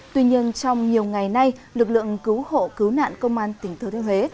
tuy nhiên trong nhiều ngày nay lực lượng cứu hộ cứu nạn công an tỉnh thừa thiên huế